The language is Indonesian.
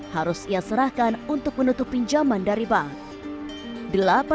harus ia serahkan untuk menutup pinjaman dari bank